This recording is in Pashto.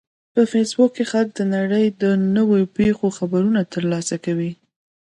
په فېسبوک کې خلک د نړۍ د نوو پیښو خبرونه ترلاسه کوي